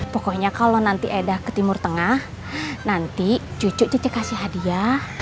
pokoknya kalau nanti eda ke timur tengah nanti cucu cucu kasih hadiah